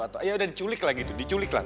atau yaudah diculik lah gitu diculik lah